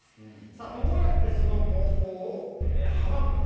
どうやって、その猛攻を阻むのか。